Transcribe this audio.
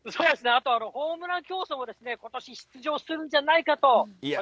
あとはホームラン競争も、ことし出場するんじゃないかと、私